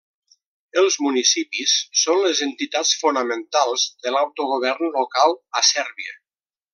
Els municipis són les entitats fonamentals de l'autogovern local a Sèrbia.